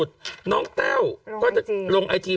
กล้องกว้างอย่างเดียว